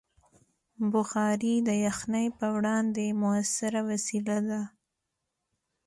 بخاري د یخنۍ پر وړاندې مؤثره وسیله ده.